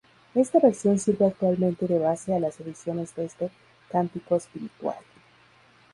Está versión sirve actualmente de base a las ediciones de este "Cántico espiritual".